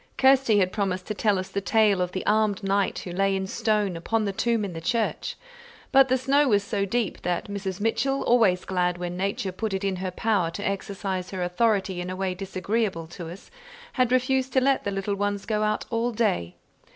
Kirsty had promised to tell us the tale of the armed knight who lay in stone upon the tomb in the church; but the snow was so deep, that Mrs. Mitchell, always glad when nature put it in her power to exercise her authority in a way disagreeable to us, had refused to let the little ones go out all day.